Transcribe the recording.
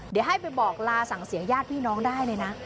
เดี๋ยวให้ไปบอกลาสั่งเสียญาติพี่น้องได้เลยนะ